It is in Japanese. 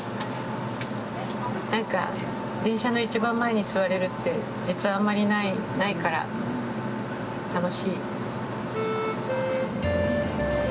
なんか電車の一番前に座れるって実はあんまりないから楽しい。